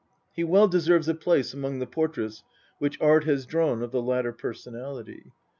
He well deserves a place among the portraits which art has drawn of the latter personality.